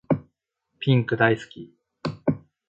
ピンク大好き